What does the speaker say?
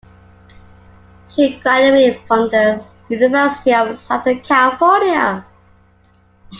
She graduated from the University of Southern California.